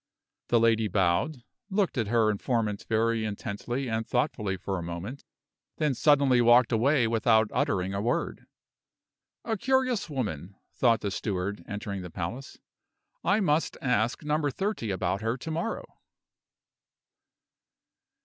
The lady bowed, looked at her informant very intently and thoughtfully for a moment, then suddenly walked away without uttering a word. "A curious woman," thought the steward, entering the palace. "I must ask Number Thirty about her to morrow."